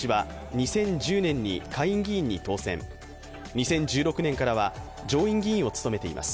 ２０１６年からは上院議員を務めています。